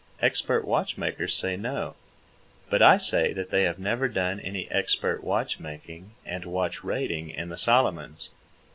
Expert watchmakers say no; but I say that they have never done any expert watch making and watch rating in the Solomons.